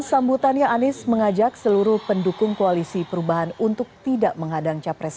sambutannya anies mengajak seluruh pendukung koalisi perubahan untuk tidak menghadang capres